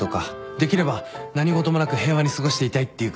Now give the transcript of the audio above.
できれば何事もなく平和に過ごしていたいっていうか。